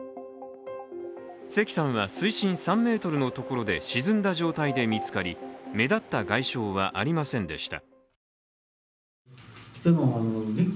関さんは水深３ｍのところで沈んだ状態で見つかり、目立った外傷はありませんでした。